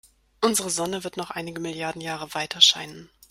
Unsere Sonne wird noch einige Milliarden Jahre weiterscheinen.